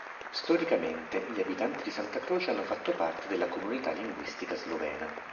Storicamente, gli abitanti di Santa Croce hanno fatto parte della comunità linguistica slovena.